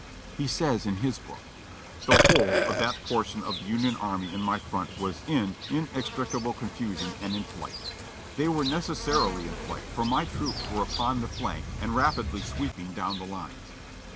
He says in his book : "The whole of that portion of the Union army in my front was in inextricable confusion and in flight. They were necessarily in flight, for my troops were upon the flank and rapidly sweeping down the lines.